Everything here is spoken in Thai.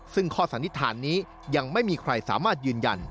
ซึ่งข้อสันนิษฐานนี้ยังไม่มีใครสามารถยืนยัน